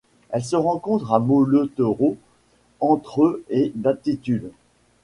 Elle se rencontre à Molleturo entre et d'altitude.